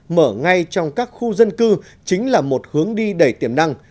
mở ngay trong các khu dân cư chính là một hướng đi đầy tiềm năng